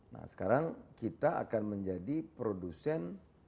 nah sekarang kita akan menjadi produsen